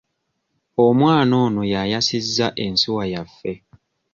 Omwana ono y'ayasizza ensuwa yaffe.